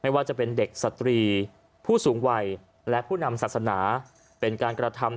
ว่าจะเป็นเด็กสตรีผู้สูงวัยและผู้นำศาสนาเป็นการกระทำ